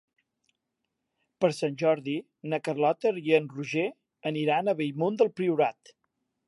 Per Sant Jordi na Carlota i en Roger aniran a Bellmunt del Priorat.